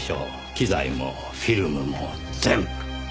機材もフィルムも全部。